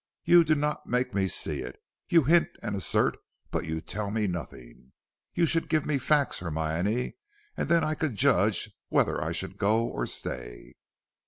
"You do not make me see it. You hint and assert, but you tell me nothing. You should give me facts, Hermione, and then I could judge whether I should go or stay."